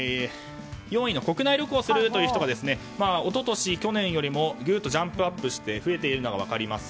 ４位の国内旅行をするという人が一昨年、去年よりもぐっとジャンプアップして増えているのが分かります。